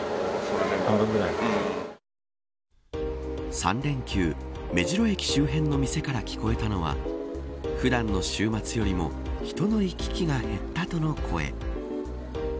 ３連休、目白駅周辺の店から聞こえたのは普段の週末よりも人の行き来が減ったとの声。